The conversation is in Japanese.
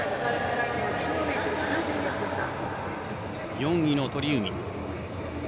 ４位の鳥海。